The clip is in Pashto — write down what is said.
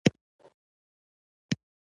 دا په روم په پوځ کې تر ټولو لوړې رتبې ته ورسېد